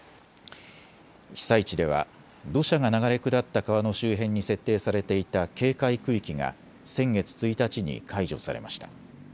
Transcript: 被災地では土砂が流れ下った川の周辺に設定されていた警戒区域が先月１日に解除されました。